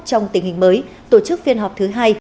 trong tình hình mới tổ chức phiên họp thứ hai